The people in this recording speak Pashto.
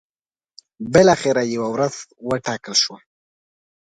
بالاخره یوه ورځ وټاکل شوه.